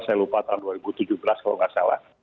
saya lupa tahun dua ribu tujuh belas kalau nggak salah